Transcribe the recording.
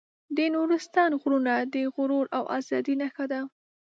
د نورستان غرونه د غرور او ازادۍ نښه ده.